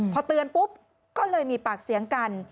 พอเตือนปุ๊บก็เลยมีปากเสียงกัน